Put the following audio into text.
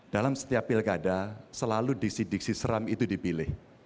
dalam setiap pilkada selalu diksi diksi seram itu dipilih